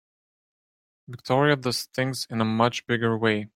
Victoria does things in a much bigger way.